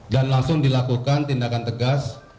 dan langsung dilakukan tindakan tegas